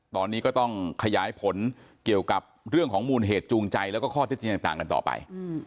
ตอนนี้ก็ต้องขยายผลเกี่ยวกับเรื่องของมูลเหตุจูงใจแล้วก็ข้อเท็จจริงต่างกันต่อไป